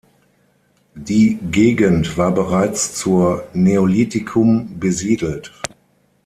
Die Gegend war bereits zur Neolithikum besiedelt.